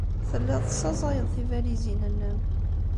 Telliḍ tessaẓayeḍ tibalizin-nnem.